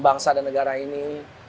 bangsa dan negara ini